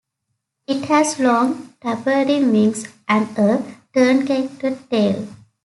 It has long tapering wings and a truncated tail.